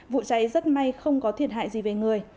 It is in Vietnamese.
vụ cháy rất may không có thiệt hại gì về người